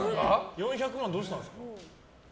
４００万どうしたんですか？